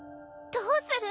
どうする？